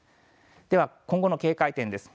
では、今後の警戒点です。